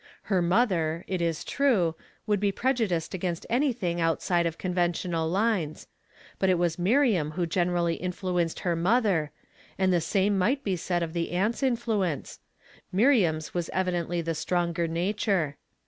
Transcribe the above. Her mother, it is true, would be prejudiced against anythnig outside of conventional lines ; but it was Miriam who generally influenced her mother, and the same might be said of the aunt's influence ; Miriam's was evidently the stronger nature.